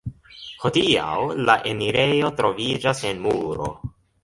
Hodiaŭ la enirejo troviĝas en muro.